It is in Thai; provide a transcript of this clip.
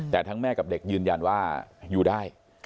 แต่ทั้งแม่กับเด็กยืนยันว่าอยู่ได้